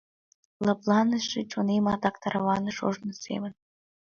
Лыпланыше чонем Адак тарваныш ожсо семын.